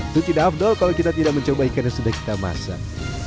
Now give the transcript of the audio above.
itu tidak abdol kalau kita tidak mencoba ikan yang sudah kita masak